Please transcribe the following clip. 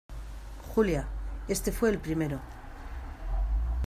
Julia, este fue el primero.